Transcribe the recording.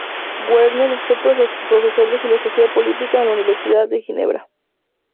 Werner fue profesor de filosofía política en la Universidad de Ginebra.